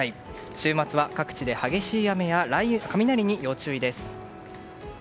週末は各地で激しい雨や雷に要注意です。